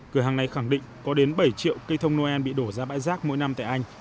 cửa hàng này khẳng định có đến bảy triệu cây thông noel bị đổ ra bãi rác mỗi năm tại anh